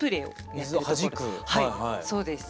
はいそうです。